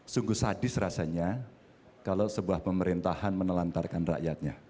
sungguh sadis rasanya kalau sebuah pemerintahan menelantarkan rakyatnya